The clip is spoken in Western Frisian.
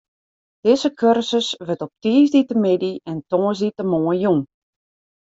Dizze kursus wurdt op tiisdeitemiddei en tongersdeitemoarn jûn.